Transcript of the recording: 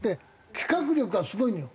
企画力がすごいのよ。